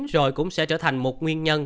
rồi cũng sẽ trở thành một nguyên nhân